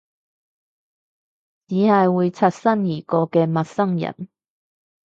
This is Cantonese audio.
只係會擦身而過嘅陌生人？